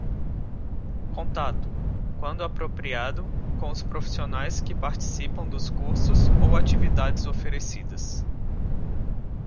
Contato, quando apropriado, com os profissionais que participam dos cursos ou atividades oferecidas.